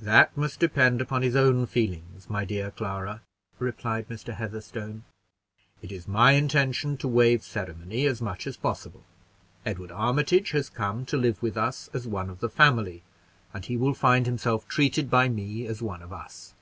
"That must depend upon his own feelings, my dear Clara," replied Mr. Heatherstone. "It is my intention to wave ceremony as much as possible. Edward Armitage has come to live with us as one of the family, and he will find himself treated by me as one of us.